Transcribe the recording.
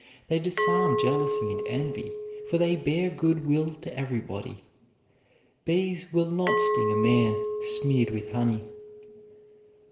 They disarm jealousy and envy, for they bear good will to everybody. Bees will not sting a man smeared with honey.